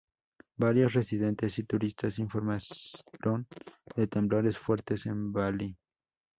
Varios residentes y turistas informaron de temblores fuertes en Bali.